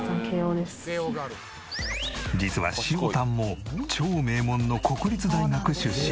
実はしおたんも超名門の国立大学出身。